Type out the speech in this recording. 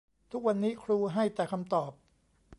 ทุกวันนี้ครูให้แต่คำตอบ